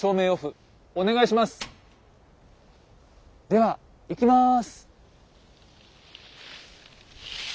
ではいきます。